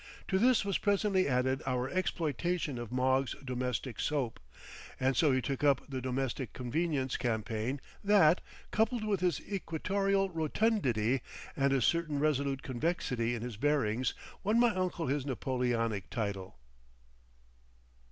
To this was presently added our exploitation of Moggs' Domestic Soap, and so he took up the Domestic Convenience Campaign that, coupled with his equatorial rotundity and a certain resolute convexity in his bearings won my uncle his Napoleonic title.